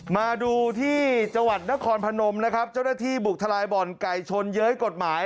มาดูที่จังหวัดนครพนมนะครับเจ้าหน้าที่บุกทลายบ่อนไก่ชนเย้ยกฎหมาย